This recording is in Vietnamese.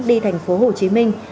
đi tp hồ chí minh